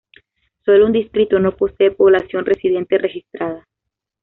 Sólo un distrito no posee población residente registrada.